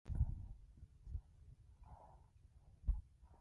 آیا د ایران والیبال ټیم په نړۍ کې ښه نه دی؟